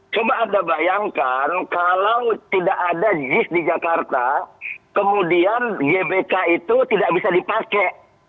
coba anda bayangkan kalau tidak ada jis di jakarta kemudian gbk itu tidak bisa dipakai